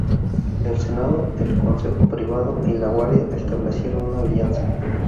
El Senado, el Consejo Privado y la Guardia, establecieron una alianza.